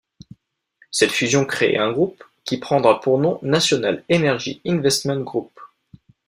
Cette fusion créée un groupe, qui prendra pour nom National Energy Investment Group.